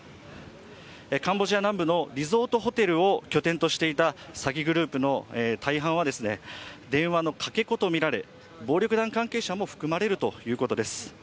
カンボジア南部のリゾートホテルを拠点としていた詐欺グループの大半は電話のかけ子とみられ、暴力団関係者も含まれるということです。